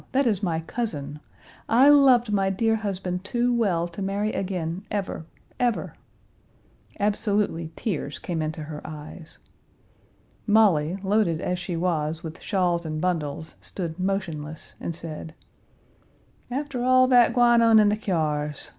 That is my cousin. I loved my dear husband too well to marry again, ever, ever!" Absolutely tears came into her eyes. Molly, loaded as she was with shawls and bundles, stood motionless, and said: "After all that gwine on in the kyars!